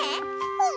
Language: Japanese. うん。